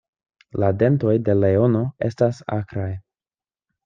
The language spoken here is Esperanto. La dentoj de leono estas akraj.